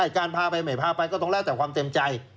การพาไปไม่พาไปก็ต้องแล้วแต่ความเต็มใจ